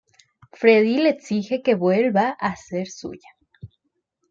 Freddy le exige que vuelva a ser suya.